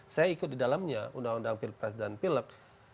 saya ikut di dalamnya undang undang pilk